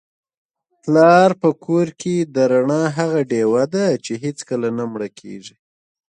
پلار په کور کي د رڼا هغه ډېوه ده چي هیڅکله نه مړه کیږي.